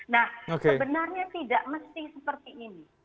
nah sebenarnya tidak mesti seperti ini